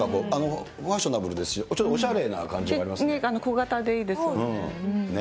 ファッショナブルですし、ちょっとおしゃれな感じもありますよね。